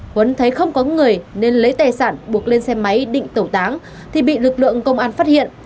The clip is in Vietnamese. huấn thấy không có người nên lấy tài sản buộc lên xe máy định tẩu tán thì bị lực lượng công an phát hiện